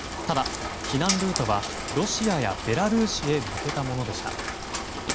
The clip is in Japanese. ただ、避難ルートはロシアやベラルーシへ向けたものでした。